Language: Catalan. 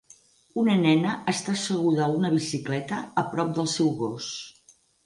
Una nena està asseguda a una bicicleta a prop del seu gos